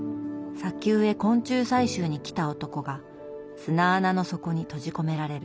砂丘へ昆虫採集に来た男が砂穴の底に閉じ込められる。